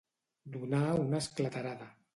Donar una esclatarada.